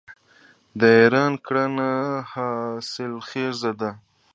د ایران کرنه حاصلخیزه ده.